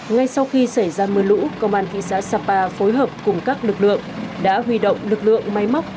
ngay sau khi xảy ra mưa lũ công an thị xã sapa phối hợp cùng các lực lượng đã huy động lực lượng máy móc